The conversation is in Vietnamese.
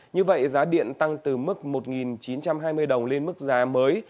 như vậy giá điện tăng từ mức một chín trăm hai mươi đồng lên mức giá mới